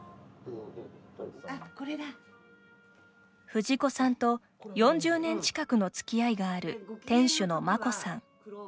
藤子さんと４０年近くのつきあいがある店主のマコさん。